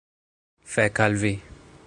Fek' al vi!